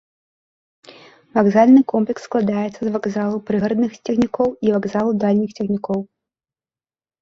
Вакзальны комплекс складаецца з вакзалу прыгарадных цягнікоў і вакзалу дальніх цягнікоў.